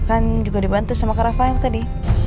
kan juga dibantu sama kak rafael tadi